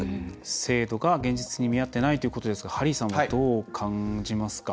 制度が現実に見合っていないということですがハリーさんは、どう感じますか？